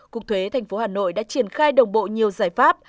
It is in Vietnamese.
cục thuế tp hà nội đã triển khai đồng bộ nhiều giải pháp